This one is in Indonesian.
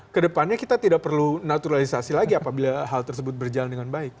kedepannya kita tidak perlu naturalisasi lagi apabila hal tersebut berjalan dengan baik